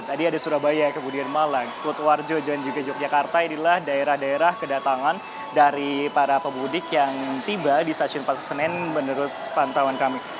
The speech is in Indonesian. tadi ada surabaya kemudian malang kutuwarjo dan juga yogyakarta inilah daerah daerah kedatangan dari para pemudik yang tiba di stasiun pasar senen menurut pantauan kami